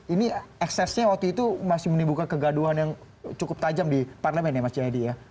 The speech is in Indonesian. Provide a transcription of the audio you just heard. ini eksesnya waktu itu masih menimbulkan kegaduhan yang cukup tajam di parlemen ya mas jayadi ya